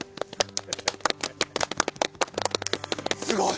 すごい。